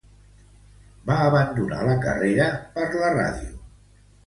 Va abandonar la carrera per la ràdio.